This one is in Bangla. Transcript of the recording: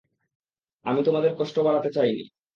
আমি তোমাদের কষ্ট বাড়াতে চাইনি।